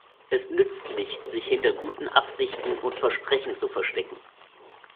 Es nützt nichts, sich hinter guten Absichten und Versprechen zu verstecken.